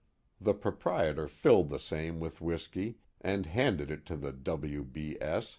The proprietor filled the same with whiskey, and handed it to the w. b. s.